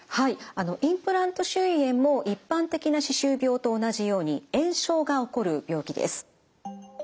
あのインプラント周囲炎も一般的な歯周病と同じように炎症が起こる病気です。